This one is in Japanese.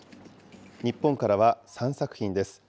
日本からは３作品です。